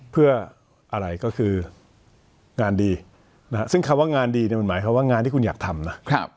เพื่ออะไรก็คืองานดีซึ่งคำว่างานดีมันหมายความว่างานที่คุณอยากทำนะ